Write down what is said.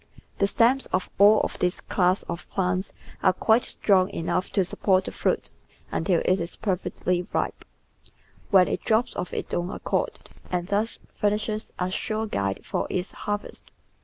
The stems of all of this class of plants are quite strong enough to support the fruit PLANNING THE GARDEN until it is perfectly ripe, when it drops of its own accord, and thus furnishes a sure guide for its harvest.